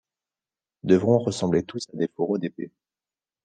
Devront ressembler tous à des fourreaux d'épée ;